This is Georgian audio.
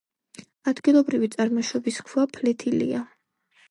ადგილობრივი წარმოშობის ქვა ფლეთილია.